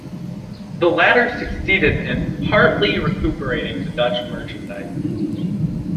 The latter succeeded in partly recuperating the Dutch merchandise.